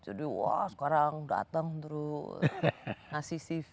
jadi wah sekarang dateng terus ngasih cv